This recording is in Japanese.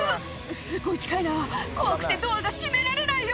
「すごい近いな怖くてドアが閉められないよ」